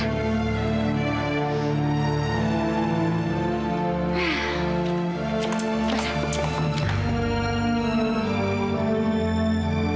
nanti kita berdua bisa berdua